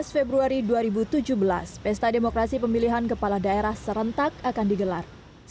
tujuh belas februari dua ribu tujuh belas pesta demokrasi pemilihan kepala daerah serentak akan digelar